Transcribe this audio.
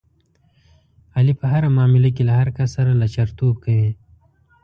علي په هره معامله کې له هر کس سره لچرتوب کوي.